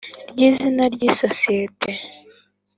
ry izina ry isosiyete